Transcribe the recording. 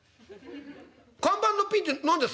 看板のピンって何です？」。